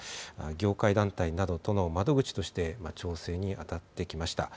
業界団体などとの窓口として調整に当たってきました。